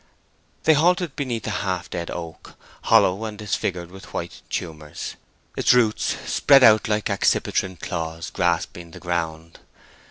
They halted beneath a half dead oak, hollow, and disfigured with white tumors, its roots spreading out like accipitrine claws grasping the ground.